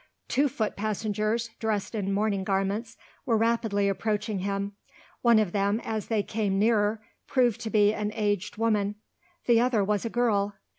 Two foot passengers, dressed in mourning garments, were rapidly approaching him. One of them, as they came nearer, proved to be an aged woman. The other was a girl.